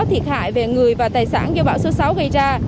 thiệt hại về người và tài sản do bão số sáu gây ra